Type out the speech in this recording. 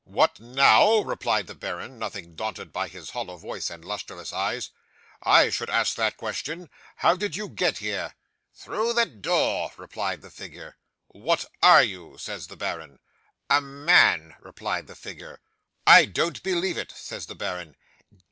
'"What now!" replied the baron, nothing daunted by his hollow voice and lustreless eyes. "I should ask that question. How did you get here?" '"Through the door," replied the figure. '"What are you?" says the baron. '"A man," replied the figure. '"I don't believe it," says the baron.